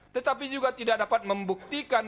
tetapi juga tidak dapat membuktikan